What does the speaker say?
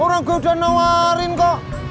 orang gue udah nawarin kok